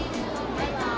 バイバーイ！